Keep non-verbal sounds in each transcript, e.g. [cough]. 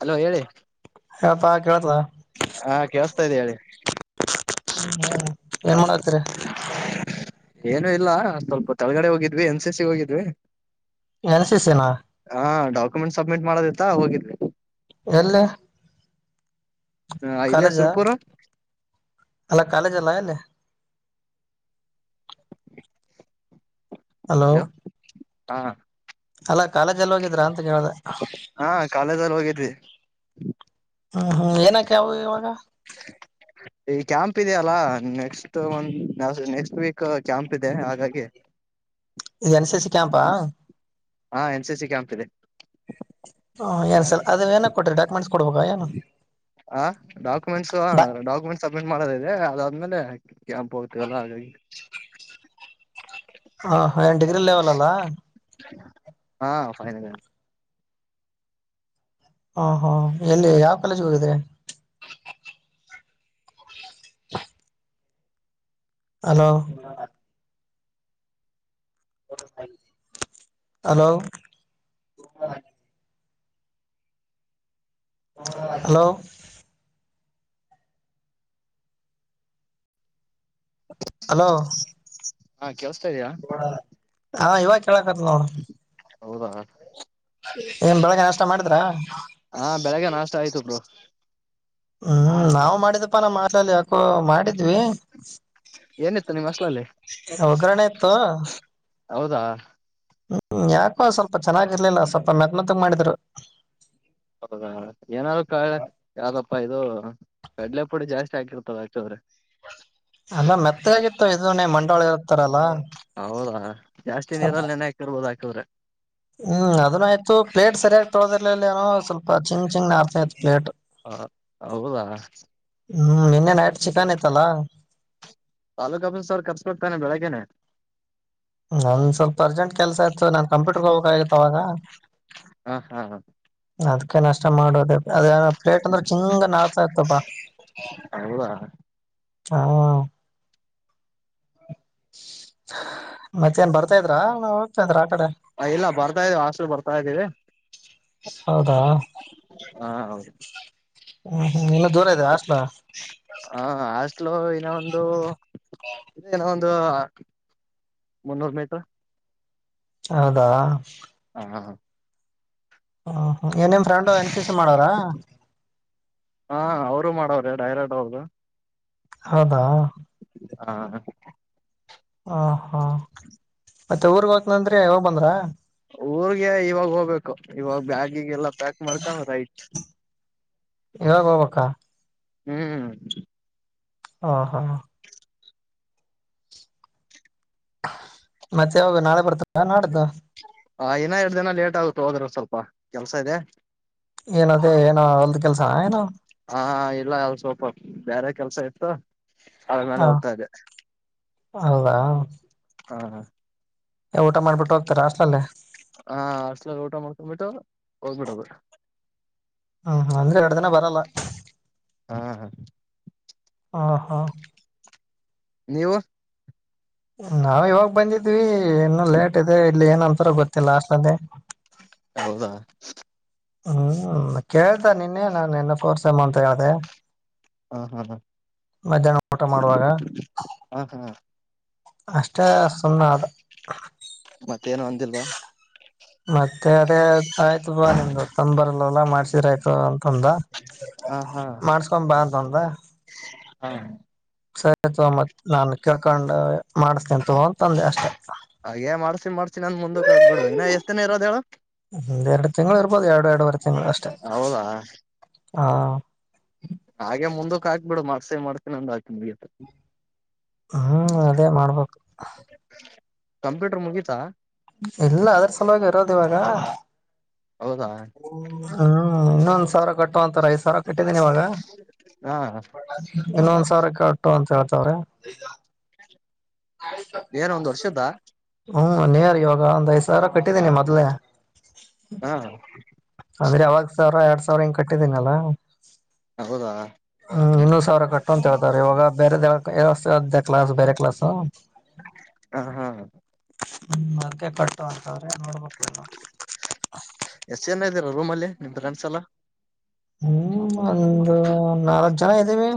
Hello ಹೇಳಿ ಹೇಳಪ್ಪಾ ಕೇಳ್ತದ ಹಾ ಕೇಳಸ್ತಾ ಇದ್ದ ಹೇಳಿ [unintelligible] ಹ್ಮ ಏನ್ ಮಾಡತರ [unintelligible] ಏನು ಇಲ್ಲ ಸ್ವಲ್ಪ ತಳಗಡೆ ಹೋಗಿದ್ವಿ ಎನ್ ಸಿ ಸಿ ಹೋಗಿದ್ವಿ [unintelligible] ಎನ್ ಸಿ ಸಿನ ಹಾ ಡಾಕ್ಯುಮೆಂಟ್ ಸಬ್ಮಿಟ್ ಮಾಡದಿತ್ತ ಹೋಗಿದ್ವಿ [unintelligible] ಎಲ್ಲಿ [unintelligible] ಹ ಇಲ್ಯ ಕಾಲೇಜ ಸುರ್ಪೂರ [unintelligible] ಅಲ್ಲ ಕಾಲೇಜ ಎಲ್ಲ ಅಲ್ಲೇ [unintelligible] ಹಲೋ [unintelligible] ಹಾ [unintelligible] ಅಲ್ಲಾ ಕಾಲೇಜ್ ಎಲ್ಲ ಹೋಗಿದ್ರ ಅಂತ ಕೇಳ್ದ ಹಾ ಕಾಲೇಜಲ್ಲಿ [unintelligible] ಹೋಗಿದ್ವಿ ಹ್ಮ್ ಹ್ಮ್ ಏನಕವು ಇವಾಗ [unintelligible] ಈ ಕ್ಯಾಂಪ್ ಇದೆಯಲ್ಲಾ ನೆಕ್ಸ್ಟ್ ಒ ನೆಕ್ಸ್ಟ್ ವೀಕ್ ಕ್ಯಾಂಪ್ ಇದೆ ಹಾಗಾಗಿ [unintelligible] ಹ [unintelligible] ಇದು ಎನ್ಸ ಸಿ ಸಿ ಕ್ಯಾಂಪಾ [unintelligible] ಹಾ ಎನ್ ಸಿ ಸಿ ಕ್ಯಾಂಪ್ ಇದೆ [unintelligible] ಹ್ ಏನ್ ಸ ಅದು ಏ ಕೊಟ್ರ ಡಾಕ್ಯುಟ್ಸ್. ಹ ಡಾಕ್ಯುಮೆಂಟ್ಸ್ ಡಾ ಡಾಕ್ಯುಮೆಂಟ್ [unintelligible] ಮಾಡದ ಇದೆ ಅದಾದ್ಮೇಲೆ ಕ್ಯಾಂಪ್ ಹೋಗ್ತವಲ್ಲ ಹಾಗಾಗಿ [unintelligible] ಹ ಏನ್ ಡಿಗ್ರೀ ಲೇವಾಲಲ್ಲಾ [unintelligible] ಹಾ ಫನಲ್ [unintelligible] ಹಾ ಹಾ ಎಲ್ಲಿ ಯಾವ್ ಕಾಲೇಜ್ ಹೋಗಿದ್ರೆ [unintelligible] ಹಲೋ [unintelligible] ಹಲೋ [unintelligible] ಹಲೋ [unintelligible] ಹಲೋ [unintelligible] ಹಾ ಕೆಲ್ಸ್ತಾ ಇದಯಾ [unintelligible] ಹಾ ಇವಾಗ ಕೇಳಕತ್ ನೋಡ [unintelligible] ಹೌದಾ ಬೆಳಗ್ಗೆ [unintelligible] ನಾಷ್ಟ ಮಾಡಿದ್ರಾ ಹಾ ಬೆಳಿಗ್ಗೆ ನಾಷ್ಟ ಆಯ್ತುಬ್ರು [unintelligible] ಹ್ಮ್ ನಾವ್ ಮಾಡಿದಪ್ಪಾನ ಮಾಲ್ಲ ಯಾಕೋ ಮಾಡಿದ್ವಿ ಏನಿತ್ತು ನಿಮ್ ಹಾಸ್ಟೆಲ್ ಅಲ್ಲಿ [unintelligible] ಅವಕರಣ ಇತ್ತು [unintelligible] ಹೌದಾ [unintelligible] ಹ್ಮ್ ಯಾಕೋ ಸ್ವಲ್ಪ ಚೆನ್ನಾಗಿರ್ಲಿಲ್ಲ ಸ್ವಲ್ಪ ಮೆಕ್ ಮತ್ತಗ್ ಮಾಡಿದ್ರು ಹೌದಾ ಏನಾದಾರರು ಕ ಯಾವ್ದಪ್ಪಾ ಇದು ಕಡಲೆ ಪುಡಿ ಜಾಸ್ತಿ ಹಾಕಿರ್ತಟವ್ರೆ ಾಳೆ ಇರ್ತಾರಲ್ಲಾ ಹೌದಾ ಜಾಸ್ತಿ ನೀರಲ್ಲಿ ನೆನೆ ಹಾಕ್ಿರ್ಬೋದು ಹಾಕವ್ರೆ ಹ್ಮ್ ಅದನ ಆಯ್ತು ಪ್ಲೇಟ್ ಸರಿಯಾಗಿ ತೊಳೋದಿರ್ಲ ಏನೋ ಸ್ವಲ್ಪ ಚಿಂಗ್ ಚಿಂಗ ಆರ್ತ ಪ್ಲೇಟ್ ಹ ಹೌದಾ ಹ್ಮ್ ನಿನ್ನೆ ನ ತಾಲೂಕಪ್ಪ ಸರ್ ಕಷ್ಟತ ಬೆಳಗೆ ಕ್ ಆಗತ್ತ ಅವಾಗ ಹಾ ಹಾ ಹ ಅದಕ್ಕೆ ನಷ್ಟ ಮಾಡೋದ ಅದ ಪ್ಲೇಟ್ ಅಂದ್ರೆ ಚಿಂಗ ನಡ್ತಾ ಇತಪ್ಪಾ ಹೌದಾ ಹಾ ಮತ್ತೆ ನ್ ಬರ್ತಾ ಇದ್ರ ನಾ ಹೋಗ್ತಂದ್ರ ಆ ಕಡೆ ಇಲ್ಲ ಬರ್ತಾ ಇದೀವಿ ಅಷ್ಟು ಬರ್ತಾ ಇದ್ದೀವಿ ಹೌದಾ ಹೌದು ಹ್ಮ್ ಹ್ಮ್ ಇನ್ನು ದೂರ ಇದೆ ಅಷ್ಟಲ ಹ ಅಷ್ಟಲು ಇನ್ನ ಒಂದುನೋ ಒಂದು ಒ ಮುನ್ನೂರು ಮೀಟರ್ ಹೌದಾ ಹ ಹಾ ಹಾ ಹ್ಮ ಏನಿಮ್ ಫ್ರೆಂಡ್ ಎನ್ ಸಿ ಸಿ ಮಾಡೋರ ಹಾ ಅವರು ಮಾಡವ್ರೆ ಡೈರೆಕ್ಟ್ ಹೌದು ಹೌದಾ ಹಾ ಹ ಹಾ ಮತ್ತೆ ಊರ್ಗ್ ಹೋಗಕ್ನಂದ್ರ ಯಾವಾಗ ಬಂದ್ರ ಊರ್ಗೆ ಇವಾಗ ಹೋಗ್ಬೇಕು ಇವಾಗ ಬ್ಯಾಗಿಿಗೆಲ್ಲಾ ಪ್ಯಾಕ್ ಮಾಡ್ಕೊಂಡ ಆತ ಇವಾಗ ಹೋಗಬಕ್ಕ ಹ್ಮ್ ಹಾ ಹಾ ಮತ್ತೆಾವಾಗ ನಾಳೆ ಬರ್ತ ನಾಡ್ದ ಹ ಇನ್ನ ಎರಡು ದಿನ ಲೇಟ್ ಆಗುತ್ತ ಹೋದ್ರರು ಸ್ವಲ್ಪ ಕೆಲ್ಸ ಇದೆ ಏನದೇ ಏನೋ ಹೊಲ್ದ ಕೆಲ್ಸ ಏನೋ ಹಾ ಇಲ್ಲ ಅಲ್ಲ ಸ್ವಲ್ಪ ಬೇರೆ ಕೆಲ್ಸ ಇ ಆ್ಮೇಲೆ ಹ ಹೋಗ್ತಾ ಇದೆ ಹೌದಾ ಹಾ ಹಾ ಊಟ ಮಾಡ್ಬಿಟ್ಟು ಹೋಗ್ತಾರಾ ಅಷ್ಟಲಲ್ಲೇ ಹಾ ಅಷ್ಟಲ ಊಟ ಮಾಡ್ಕೊ್ಂಬಿಟ್ಟು ಹೋಗ್ಬಿಟ್ಟ ಹೋಗ್ಬಿಟ್ಟ ಹ್ಮ್ ಹ ಅಂದ್ರೆ ಎರಡ ದಿನ ಬರಲ್ಲ ಹಾ ಹಾ ಹಾ ನೀವು ನಾಾವ್ ಇವಾಗ ಬಂದಿದ್ವಿ ಇನ್ನುೂ ಲೇಟ್ ಇದೆ ಇಲ್ಲಿ ಏನಂತರ ಗೊತ್ತಿಲ್ಲ ಅಸ್ ಅದೆೇ ಹೌದಾ ಹ್ಮ್ ಕೇಳ್ತ ನಿನ್ನೇ ನಾನು ನಿನ್ನ ಕೋರ್ಸಮ್ಮ ಅಂತ ಹೇಳ್ದೆ ಹ ಹಾ ಹಾ ಮಧ್ಯಾಹ್ನ ಊಟ ಮಾಡುವಾಗ ಹ ಹಾ ಅಷ್ಟೇ ಸುಮ್ಮ ಅದ ಮತ್ತೇಏನ ಅಂದಿಲ್ವಾ ಮತ್ತೆ ಅದೇ ಆಯ್ತು ಬಾ ನಿಮ್ದು ತಂದ್ ಬರಲ್ಲವಲ್ಲ ಮಾಡ್ಸೀರ ಆಯ್ತು ಅಂತಂದ ಹ ಹಾ ಮಾಡಸ್ಕೊ ಬಾ ಅಂತಂತ ಹಾ. [unintelligible] ಮತ್ ನಾನು ಕೇಳ್ಕೊಂಡು ಮಾಡುಸ್ತೀನಿ ತಗೋ ಅಂತಂದೆ ಅಷ್ಟೇ. ಹಾಗೇ ಮಾಡುಸ್ತೀನಿ ಮಾಡಿಸ್ತೀನಿ ಅಂದ ಮುಂದಕ್ ಆಗ್ಬಿಡು ಇನ್ನ ಎಷ್ಟ ದಿನ ಇರೋದ ಹೇಳು. ಎರಡು ತಿಂಗಳು ಇರ್ಬೋದು ಎರಡು ಎರಡುುವರೆ ತಿಂಗಳು ಅಷ್ಟೇ ಹೌದಾ ಹಾ. ಹಾಗೆ ಮುಂದಕ್ ಹಾಕ್ಬಿಡು ಮಾಡಿಸ್ತೀನಿ ಮಾಡಿಸ್ತೀನಿ ಒಂದ ಹಾಗ್ ಹ ಅದೇ ಮಾಡ್ಬೇಕು. ಕಂಪ್ಯೂಟರ್ ಮುಗೀತಾ. ಎಲ್ಲ ಅದುರ್ ಸಲುವಾಗಿ ಇರೋದು ಇವಾಗ. ಹೌದಾ ಹ್ಮ್ ಇನ್ನೊಂದ್ ಸಾವಿರ ಕಟ್ಟು ಅಂತಾರೆ ರೈಸ್ ಸಾವಿರ ಕಟ್ಟಿದ್ದೀನಿ ಇವಾಗ ಹಾ ಇನ್ನೊಂದ ಸಾವಿರ ಕ [unintelligible] ಅಂತ ಹೇಳ್ತವ್ರೆ. ಏನ್ ಒಂದ್ ವರ್ಷುದ್ದ. ಹ್ಮ ಒಂನ್ ಇಯರ್ ಇವಾಗ ಒಂದ್ ಐದ್ ಸಾವಿರ ಕಟ್ಟಿದ್ದೀನಿ ಮೊದ್ಲೇ ಹಾ ಅಂದ್ರೆ ಯಾವಾಗ ಸಾವಿರ ಎರಡ್ ಸವ್ ಸಾವ್ರರ ಹಿಂಗ್ ಕಟ್ಟಿದೀನಲ್ಲ. ಹೌದಾ ಹ್ಮ್ ಇನ್ನು ಸಾವಿರ ಕಟ್ಟು ಅಂತ ಹೇಳ್ತಾರೆ ಇವಾಗ ಬೇರೆದ್ ಯಾವ್ದೊಕೋ ಎನೋ ಕ್ಲಾಸ್ ಬೇರೆ ಕ್ಲಾಸ್. ಹ್ಮ ಹಾ ಹ್ಮ ಅದಗೆ ಕಟ್ಟು ಅಂತವ್ರೆ ನೋಡ್ಬೇಕು ರೂಮಲ್ಲಿ ನಿಮ್ ಫ್ರೆಂಡ್ಸ್ ಎಲ್ಲಾ. ಹ್ಮ್ ಒಂದು ನಾಲ್ಕ ಜನ ಇದ್ದೇವಿ.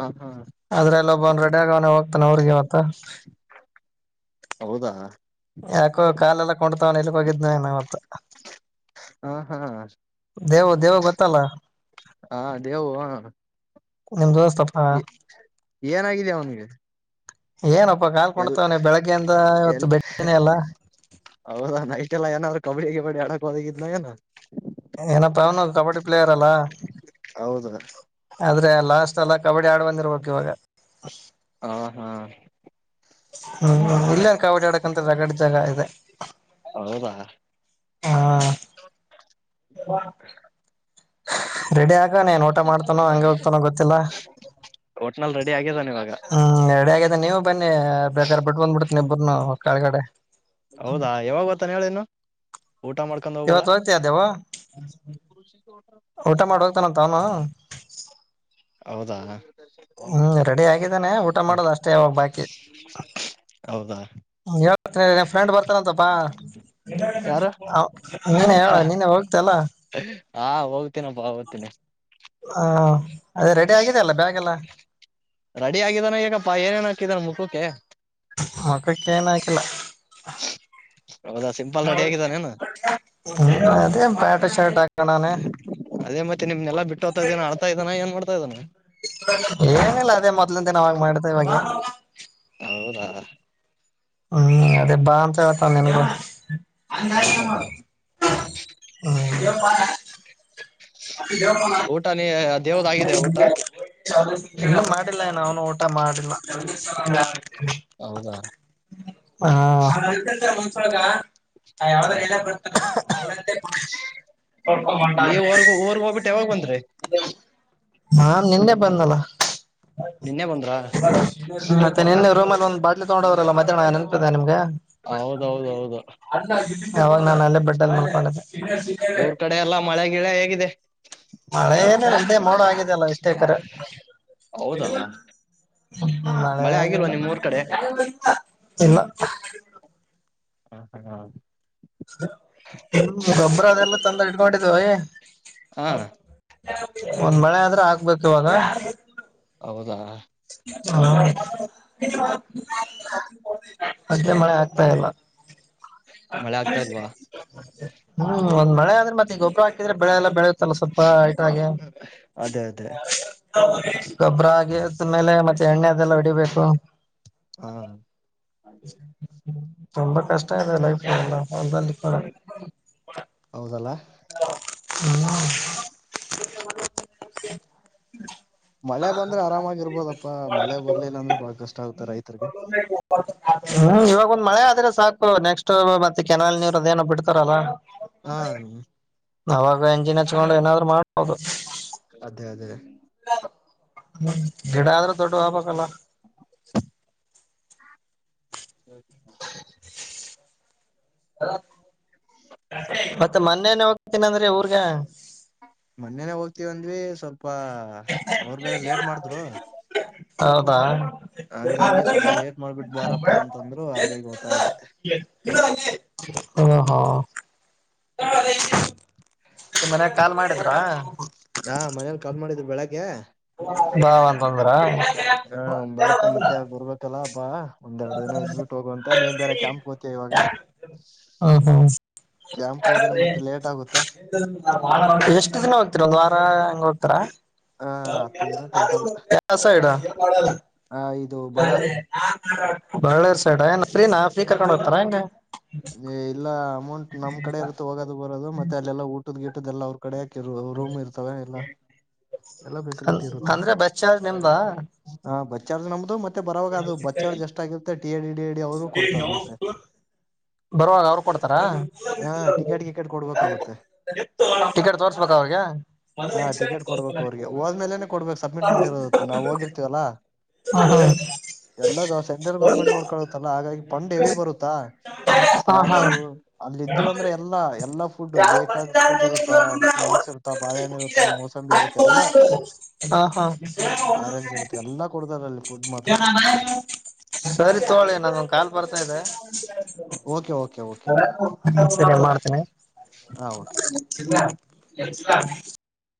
ಹ ಹಾ ಆದ್ರಲ್ ಒಬ್ಬ ರೆಡಿಯಾಗವ್ನೆ ಹೋಗ್ತಾನ ಊರಿಗೆ ಇವತ್ತು. ಹೌದಾ ಯಾಕೋ ಕಾಲೆಲ್ಲ ಕುಂಡ್ತಾವನೆ ಎಲ್ಲಿಗ್ ಹೋಗಿದ್ನ ಇವತ್ತ ಹ್ಮ ಹು ದೇವ್ ದೇವು ಗೊತ್ತಲ್ಲ. ಹಾ ದೇವು ನಿಮ್ ದೋಸ್ತಪ್ಪ ಏ ಏನಾಗಿದೆ ಅವನಿಗೆ. ಏನಪ್ಪಾ ಕಾಲ್ ಎಲ್ ಕುಂಟುತಾವ್ನೆ ಬೆಳಗ್ಗೆಯಿಂದ ಇವತ್ತು ಎಲ್ ಬೆಟಿನೆ ಇಲ್ಲ. [unintelligible] ಎಲ್ಲ ಏನಾದ್ರು ಕಬಡ್ಡಿ ಗಿಬಡ್ಡಿ ಆಡಕ ಹೋಗಿದ್ನೊ ಏನೋ. ಏನಪ್ಪ ಅವನು ಕಬಡ್ಡಿ ಪ್ಲೇಯರ್ ಅಲ್ಲ ಹೌದು ಆದ್ರೆ ಲಾಸ್ಟ್ ಅಲ್ಲ ಕಬಡ್ಡಿ ಆಡ್ ಬಂದಿರ್ಬೇಕು ಇವಾಗ. ಆ ಹಾ ಹ್ಮ್ ಇಲ್ಲೇನು ಕಬ್ಬಡಿ ಆಡಕ್ ಅಂತ ಜಗಡ್ ಜಾಗ ಇದೆ. ಹೌದಾ ಹಾ ಹ ರೆಡಿ ಆಗವ್ನೆ ಏನು ಊಟ ಮಾಡ್ತಾನೋ ಹಂಗೆ ಹೋಗ್ತನೋ ಗೊತ್ತಿಲ್ಲ. ಒಟ್ನಲ್ಲಿ ರೆಡಿ ಆಗ್ಯದಾನ ಇವಾಗ ಹ್ಮ್ ರೆಡಿ ಆಗೇದ ನೀವು ಬನ್ನಿ ಬೇಕಾದ್ರೇ ಬಿಟ್ ಬಂದ್ಬಿಡ್ತೀನಿ. ನಿಮ್ಮಿಬ್ಬರನ್ನು ಕೆಳಗಡೆ. ಹೌದಾ ಯಾವಾಗ ಬರ್ತಾರೆ ಹೇಳಿನು ಊಟ ಮಾಡ್ ಇವತ್ತು ಹೋಗ್ತ್ಯ ದೇವು ಊಟ ಮಾಡ ಹೋಗ್ತಾನಂತ ಅವನು. ಹೌದಾ ಹ್ಮ್ ರೆಡಿ ಆಗಿದ್ದಾನೆ ಊಟ ಮಾಡೋದ ಅಷ್ಟೇ ಇವಾಗ ಬಾಕಿ. ಹೌದಾ ಹೇಳ್ತ ನಿನ್ ಫ್ರೆಂಡ್ ಬರ್ತಾನಂತಪ್ಪಾ. ಯಾರು ಹ ನೀನೆ ಹೇಳು ನೀನೆ ಹೋಗ್ತ್ಯಲ್ಲ. ಹಾ ಹೋಗ್ತೀನಪ್ಪಾ ಹೋಗ್ತೀನಿ ಹ ಅದೇ ರೆಡಿ ಆಗಿದ ಅಲ್ಲ ಬ್ಯಾಗ ಎಲ್ಲ. ರೆಡಿ ಆಗಿದಾನ ಈಗಪ್ಪಾ ಏನೇನ್ ಹಾಕಿದಾನ ಮುಖಕ್ಕೆ. ಮುಖಕ್ಕೆ ಏನು ಆಕಿಲ್ಲ. ಹೌದಾ ಸಿಂಪಲ್ ರೆಡಿ ಆಗಿದಾನೇನು ಅದೇ ಪ್ಯಾಂಟ್ ಶರ್ಟ್ ಆಕಂಡವನೇ. ನಿಮ್ನೆಲ್ಲ ಬಿಟ್ಟೋಗತ ಇದಾನ ಅಳ್ತಾ ಇದಾನ ಏನ್ ಮಾಡತಾ ಇದಾನಾ. ಏನಿಲ್ಲ ಅದೇ ಮೊದ್ಲಂದನಾವಾಗ ಮಾಡದೆ ಇವಾಗ ಹ ಹ್ಮ್ ಅದೇ ಬಾ ಅಂತೇಳತಾನ ನಿನಗ ಹ ಹಾ ಅ [unintelligible] ಅ ಜ ಊಟ ನೀ ದೇವ್ದ ಆಗಿದೆ ಊಟ [unintelligible] ಇಲ್ಲ ಮಾಡಿಲ್ಲ ಇನ ಅವನು ಊಟ ಮಾಡಿಲ್ಲ ಹೌದಾ ಹಾ ಗ ಯಾವ್ದ ಎ ಬತ [unintelligible] ಳಪ ಮಟ [unintelligible] ಊರಗ್ ಹೋಗ್ಬಿಟ್ಟ ಯಾವಾಗ ಬಂದ್ರರಿ ಹಾ ನಿನ್ನೆ ಬಂದನಲ್ಲ ನಿನ್ನೆ ಬಂದ್ರಾ ಮತ್ತೆ ನಿನ್ನೆ ರೂಮಲ್ಲಿ ಒಂದ್ ಬಾಟ್ಲಿ ತಗೊಂಡದ್ರಲ್ಲ ಮಧ್ಯಾಹ್ನ ನೆನಪಿದೆ ನಿಮ್ಗೆ ಹೌದೌದೌದು ಯಾವಾಗ ನಾನ ಅಲ್ಲೇ ಬೆಡ್ಡಲ್ಲಿ ಮಲಕೂಂಡಿದ್ದೆ ಊರ್ ಕಡೆ ಎಲ್ಲಾ ಮಳೆ ಗಿಳೆ ಹೇಗಿದೆ ಮಳೆನೇ ಮೋಡ ಆಗಿದಲ್ಲ ಇಷ್ಟೇ ಕರೆ ಹೌದಾ ಮಳೆ ಏನ ಆಗಿಲ್ವಾ ನಿಮ್ ಊರ್ ಕಡೆ ಇಲ್ಲ ಇಲ್ಲ ಹ ಹಾ ಹಾ ಹ್ಮ್ ಗೊಬ್ಬರ ಅದೆಲ್ಲ ತಂದ ಇಡ್ಕೊಂಡಿದ್ವಿ ಹಾ ಒಂದ್ ಮಳೆ ಆದ್ರೆ ಹಾಕ್ಬೇಕ ಇವಾಗ ಹೌದಾ ಹಾ ಅದೇ ಮಳೆ ಆಗ್ತಾ ಇಲ್ಲ ಮಳೆ ಆಗ್ತಾ ಇಲ್ವಾ ಹ್ಮ್ ಒಂದ ಮಳೆ ಆದ್ರೆ ಮತ್ತೆ ಈ ಗೊಬ್ಬರ ಹಾಕಿದ್ರೆ ಬೆಳೆಲ್ಲ ಬೆಳೆ ಲ್ಲ ಸ್ವಲ್ಪ ಇದಾಗೆ ಅದೇ ಅದೇ ಗೊಬ್ಬರ ಹಾಗೆ ಮೇಲೆ ಮತ್ತೆ ಎಣ್ಣೆ ಅದೆಲ್ಲ ಹೊಡಿಬೇಕು ಹಾ ತುಂಬಾ ಕಷ್ಟ ಇದೆ ಲೈಫ ಎಲ್ಲ ಹೂಲದಲ್ಲಿ ಕೊಡ ಹೌದಲ್ಲ ಹ್ಮ [inaudible] [inaudible] ಮಳೆ ಬಂದ್ರೆ ಆರಾಮಾಗಿರ್ಬೋದಪ್ಪಾ ಮಳೆ ಬರ್ಲಿಲ್ಲ ಅಂದ್ರೆ ಬಾಳ ಕಷ್ಟ ಆಗ್ತಾರೆ ರೈತ ಹ್ಮ್ ಇವಾಗ ಒಂದು ಮಳೆ ಆದ್ರೆ ಸಾಕು ನೆಕ್ಸ್ಟ್ ಮತ್ತೆ ಕೆನಾಲ್ ನೀರು ಅದೇನೂ ಬಿಡ್ತಾರಲ್ಲಾ ಹಾ ಅವಾಗ ಎಂಜಿನ್ ಹಚ್ಕೊಂಡು ಏನಾದ್ರು ಮಾಡ್ಬೋದು ಅದೇ ಅದೇ ಹ್ಮ್ ಗಿಡ ಆದ್ರೂ ದೊಡ್ಡ ಹಾಬೇಕ್ಲ್ ಸರಿ ಮತ್ತೆ ಮೊನ್ನೆನೆ ಹೋಗತೀನಂದ್ರಿ ಊರ್ಗೆ ಒಂದ್ವಿ ಸ್ವಲ್ಪ ಅವರು ಬೇರೆ ಲೇಟ್ ಮಾಡಿದ್ರು ಹೌದಾ ಹಂಗಾಗಿ ಸ್ವಲ್ಪ ಲೇಟ್ ಮಾಡ್ಬಿಟ್ ಬಾರಪ್ಪಾ ಅಂತಂದ್ರು ಹಾಗಾಗಿ ಹೋತಾಯಿದ್ದೆ ಹ ಹಾ ನಿಮ್ಮ ಮನ್ಯಾಗ ಕಾಲ್ ಮಾಡಿದ್ರಾ ಹಾ ಮನೇಲಿ ಕಾಲ್ ಮಾಡಿದ್ರು ಬೆಳಿಗ್ಗೆ ಬಾ ಅಂತಂದ್ರ ಹಾ ಬಾರಪ್ಪ ಮತ್ತೆ ಬರ್ಬೇಕಲ್ಲ ಬಾ ಒಂದೆರಡು ಇದ್ಬಿಟ್ಟು ಹೋಗು ಅಂತ ನೀನ್ ಬೇರೆ ಕ್ಯಾಂಪ್ ಹೋಗ್ತ ಇವಾಗ ಹ ಹ ಕ್ಯಾಂಪ್ ಹೋದ್ರೆ ಮತ್ತೆ ಲೇಟ್ ಆಗುತ್ತೆ [unintelligible] ಎಷ್ಟು ದಿನ ಹೋಗ್ತಿರ ಒಂದು ವಾರ ಹಂಗ ಹೋಗ. ಆತ. ಆ [unintelligible] ಹತ್ತು ದಿನ ಟೋಟಲ್ ಯಾವ ಸೈಡ ಆ ಇದು [unintelligible] ಬಳ್ಳಾರಿ ಬಳ್ಳೇರ್ ಸೈಡ್ ಏನ್ ಫ್ರೀನಾ ಫ್ರೀ ಕರ್ಕೊಂಡ್ ಹೋಗತಾರ ಹೆಂಗೆ. ಇ ಇಲ್ಲ ಅಮೌಂಟ್ ನಮ್ ಕಡೆ ಇರುತ್ತ ಹೋಗೋದು ಬರೋದು ಮತ್ತೆ ಅಲ್ಲೆಲ್ಲ ಊಟದ ಗಿಟ್ಟದು ಎಲ್ಲರು. ಕೆಲವು ರೂಮ್ ಇರ್ತದೆ ಎಲ್ಲ. ಎಲ್ಲ ಫೆಸಿಲಿಟಿ ಇರುತ್ತೆ ಅಂದ್ರೆ ಬಸ್ ಚಾರ್ಜ್ ನಿಮ್ದ ಹ್ಮ್ಮ್ ಬಸ್ಸ ಚಾರ್ಜ್ ನಮ್ದ ಮತ್ತ. ಮತ್ತೆ ಬರವಾಗ ಅದು ಬಚ್ಚಾರ ಎಷ್ಟು ಆಗಿರುತ್ತೆ ಟಿಎಡಿ ಡಿಎಡಿ ಅವರು ಕೊಡ್ತಾರ ಮತ್ತೆ. ಬರುವಾಗ ಅವ್ರು ಕೊಡ್ತಾರ. ಹಾ ಟಿಕೆಟ್ [unintelligible] ಗಿಕೆಟ್ ಕೊಡ್ಬೇಕಾಗುತ್ತೆ [unintelligible] ಟಿಕೆಟ್ ತೋರ್ಸ್ಬೇಕ ಅವ್ರಿಗೆ. ಹೋದಮೇಲೆ ನೆ ಅವ್ರಿಗೆ ಕೊಡ್ಬೇಕು ಸಬ್ಮಿಟ್ ಮಾಡಿರತಿವಿ ಅಲ್ವಾ ನಾವು ಹೋಗಿರ್ತೀವಲ್ಲಾ. ಎಲ್ಲ ಸೆಂಟ್ರಲ್ ಗೌರ್ಮೆಂಟ್ ನೋಡ್ಕೊಳುತ್ತಲ್ಲ ಹಾಗಾಗಿ ಫಂಡ್ ಹೆವಿ ಬರುತ್ತಾ. ಹಾ ಹಾ ಸ್ನಾಕ್ಸ್ ಅಲ್ಲಿ ಹೋದವು ಅಂದ್ರೆ ಎಲ್ಲಾ ಎಲ್ಲಾ ಫುಡ್ ಬೇಕಾದ ಫುಡ್ ಇರುತ್ತಾ ಸ್ನಾಕ್ಸ್. ಬಾಳಹಣ್ಣ ಇರುತ್ತಾ ಮೋಸಂಬಿ ಇರುತ್ತ. ಹಾ ಹಾ ಆರೆಂಜ್ ಇರುತ್ತೆ ಎಲ್ಲಾ ಕೊಡ್ತಾರ ಅಲ್ಲಿ ಫುಡ್ ಮಾತ್ರ [unintelligible] ಸರಿ ತೋಗ ಲೆ ನಂದು ಒಂದು ಕಾಲ್ ಬರ್ತಾ ಇದೆ. ಓಕೆ ಓಕೆ ಓಕೆ ಬರ್ತಾ ಇದೆ ಸರಿ ಮಾಡ್ತೇನೆ ಹಾ ಓಕೆ [unintelligible]